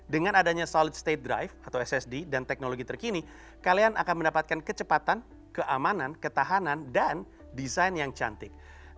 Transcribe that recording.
dengan adanya solid state drive atau ssd dan teknologi terkini kalian akan mendapatkan kecepatan keamanan ketahanan dan desain yang cantik